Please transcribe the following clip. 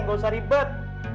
gak usah ribet